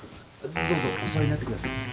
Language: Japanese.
どうぞお座りになってください。